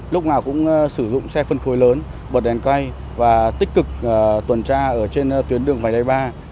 lúc nào cũng sử dụng xe phân khối lớn bật đèn quay và tích cực tuần tra ở trên tuyến đường vài đầy ba